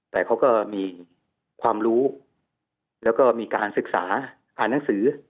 แต่เขาก็มีความรู้แล้วก็มีการศึกษาผ่านหนังสือ